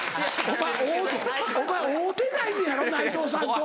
お前会うてないのやろ内藤さんと。